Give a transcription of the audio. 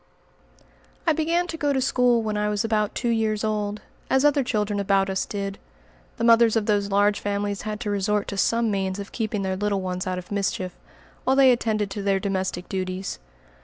I began to go to school when I was about two years old, as other children about us did. The mothers of those large families had to resort to some means of keeping their little ones out of mischief, while they attended to their domestic duties.